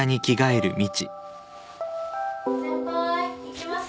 ・先輩行きますよ。